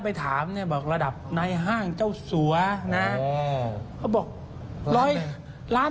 ไปถามเนี่ยบอกระดับในห้างเจ้าสัวนะเขาบอกร้อยล้าน